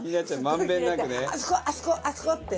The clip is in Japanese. あそこあそこあそこ！って。